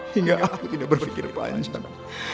hingga aku tidak berfikir panjang